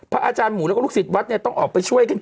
อาจารย์หมูแล้วก็ลูกศิษย์วัดเนี่ยต้องออกไปช่วยกัน